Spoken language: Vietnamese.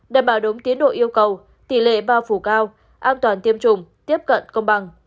đảm bảo đúng tiến độ yêu cầu tỷ lệ bao phủ cao an toàn tiêm chủng tiếp cận công bằng